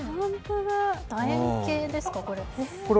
楕円形ですか、これ？